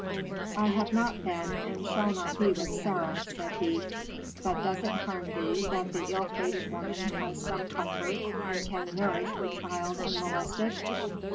"I have not been and shall not be with Sarah," said he. "But does it harm thee that the ill fated woman has some comfort and can nourish her child unmolested?"